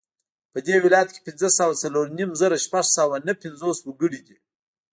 په دې ولایت کې پنځه سوه څلور زره شپږ سوه نهه پنځوس وګړي دي